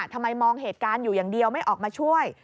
ทำไมมองเหตุการณ์อยู่อย่างเดียวไม่ออกมาช่วย